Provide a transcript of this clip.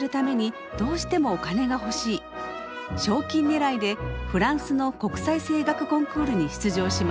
賞金狙いでフランスの国際声楽コンクールに出場します。